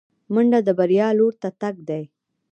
منډه د بریا لور ته تګ دی